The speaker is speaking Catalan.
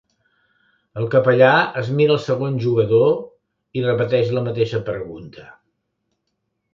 El capellà es mira el segon jugador i repeteix la mateixa pregunta.